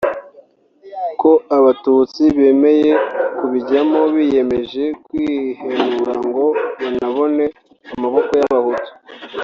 ko abatutsi bemeye kubijyamo biyemeje kwihenura ngo banabone amaboko y’abahutu